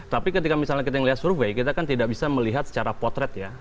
tapi ketika misalnya kita melihat survei kita kan tidak bisa melihat secara potret ya